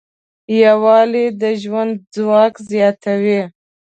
یووالی د ژوند ځواک زیاتوي.